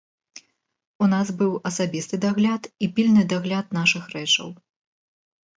У нас быў асабісты дагляд і пільны дагляд нашых рэчаў.